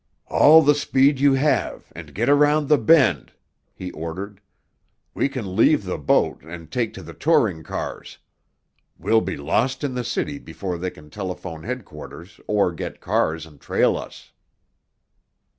"All the speed you have, and get around the bend," he ordered. "We can leave the boat and take to the touring cars. We'll be lost in the city before they can telephone headquarters or get cars and trail us!"